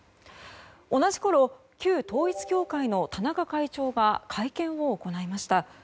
同じころ、旧統一教会の田中会長が会見を行いました。